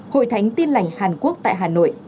hội thánh tin lành hàn quốc tại hà nội